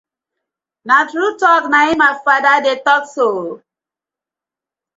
Na true talk na im my father de talk so.